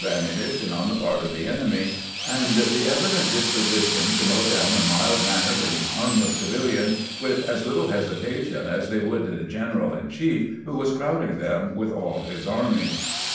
ammunition on the part of the enemy, and the evident disposition to mow down a mild mannered and harmless civihan with as little hesitation as they would the general in chief who was crowding them with all his armies.